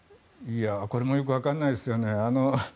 これもよく分からないですよね。